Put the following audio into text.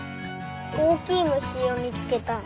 おおきいむしをみつけたい。